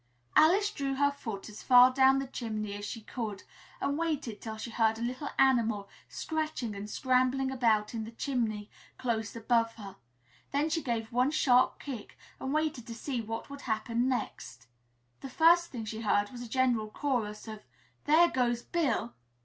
Alice drew her foot as far down the chimney as she could and waited till she heard a little animal scratching and scrambling about in the chimney close above her; then she gave one sharp kick and waited to see what would happen next. The first thing she heard was a general chorus of "There goes Bill!"